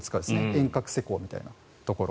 遠隔施工みたいなところ。